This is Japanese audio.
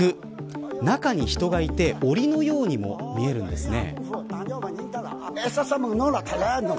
中に人がいて、おりのようにも見えるんですね。